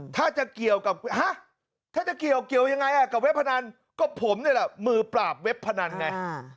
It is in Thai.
ถ้าจะเกี่ยวกับเว็บพนันก็ผมเนี่ยแหละมือปราบเว็บพนันไง